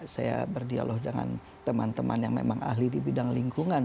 saya berdialog dengan teman teman yang memang ahli di bidang lingkungan